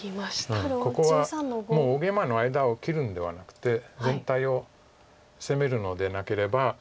ここはもう大ゲイマの間を切るんではなくて全体を攻めるのでなければ。